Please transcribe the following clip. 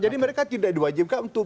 jadi mereka tidak diwajibkan